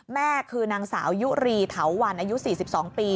แม่คือนางสาวยุรีเถาวันอายุ๔๒ปี